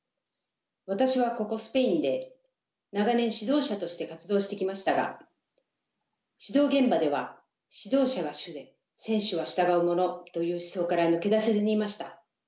私はここスペインで長年指導者として活動してきましたが指導現場では「指導者が主で選手は従うもの」という思想から抜け出せずにいました。